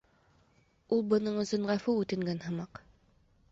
Ул бының өсөн ғәфү үтенгән һымаҡ: